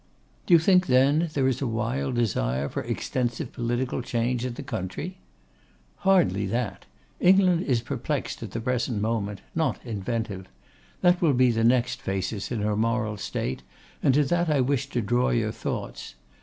'Do you think, then, there is a wild desire for extensive political change in the country?' 'Hardly that: England is perplexed at the present moment, not inventive. That will be the next phasis in her moral state, and to that I wish to draw your thoughts.